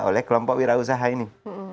oleh kelompok wira usaha ini